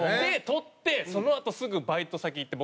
とってそのあとすぐバイト先に行って。